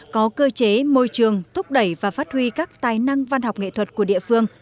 có cơ chế môi trường thúc đẩy và phát huy các tài năng văn học nghệ thuật của địa phương